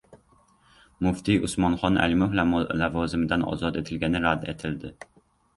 Muftiy Usmonxon Alimov lavozimidan ozod etilgani rad etildi